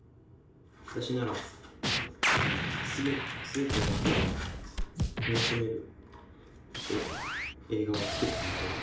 私ならすべての人が楽しめる映画を作ってみたい。